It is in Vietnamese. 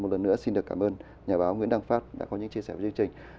một lần nữa xin được cảm ơn nhà báo nguyễn đăng phát đã có những chia sẻ với chương trình